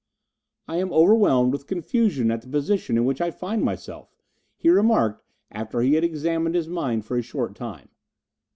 "I am overwhelmed with confusion at the position in which I find myself," he remarked, after he had examined his mind for a short time.